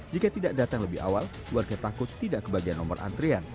jika tidak datang lebih awal warga takut tidak kebagian nomor antrian